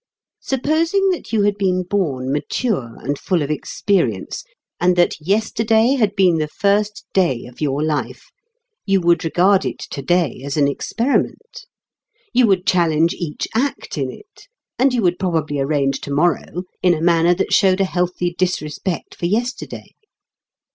Supposing that you had been born mature and full of experience, and that yesterday had been the first day of your life, you would regard it to day as an experiment, you would challenge each act in it, and you would probably arrange to morrow in a manner that showed a healthy disrespect for yesterday.